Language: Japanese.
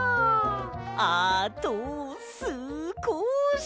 あとすこし！